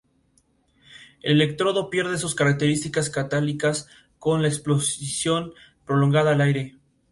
El electrodo pierde sus características catalíticas con la exposición prolongada al aire.